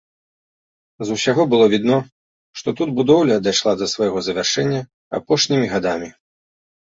З усяго было відно, што тут будоўля дайшла да свайго завяршэння апошнімі гадамі.